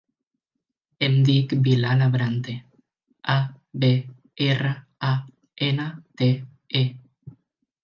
Em dic Bilal Abrante: a, be, erra, a, ena, te, e.